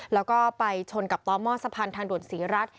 แล้วก็ไปชนกับต่อหม้อสะพานทางด่วนศรีรัฐ